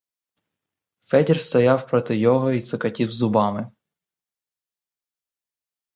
Федір стояв проти його й цокотів зубами.